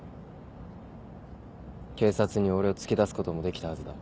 警察に俺を突き出すこともできたはずだ。